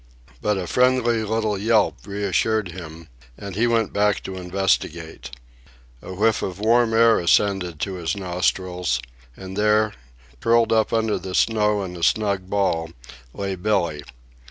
But a friendly little yelp reassured him, and he went back to investigate. A whiff of warm air ascended to his nostrils, and there, curled up under the snow in a snug ball, lay Billee.